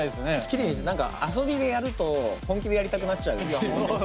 きれいにして何か遊びでやると本気でやりたくなっちゃう。